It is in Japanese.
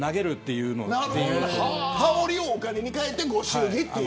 羽織をお金に換えてご祝儀っていう。